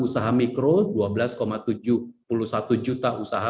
usaha mikro dua belas tujuh puluh satu juta usaha